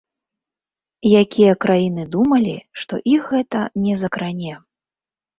Якія краіны думалі, што іх гэта не закране.